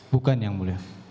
bukan yang boleh